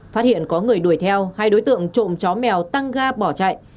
phát hiện có người đuổi theo hai đối tượng trộm chó mèo tăng ga bỏ chạy